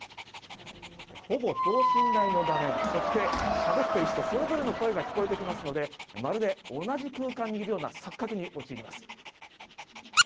ほぼ等身大の画面そしてしゃべっている人それぞれの声が聞こえてきますのでまるで同じ空間にいるような錯覚に陥ります。